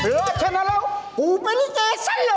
เหลือชนะเร็วกูเป็นลิเกฉันเลย